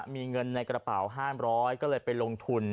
มีเงินในกระเป๋า๕๐๐ก็เลยไปลงทุน